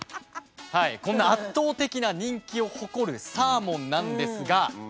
こんな圧倒的な人気を誇るサーモンなんですが。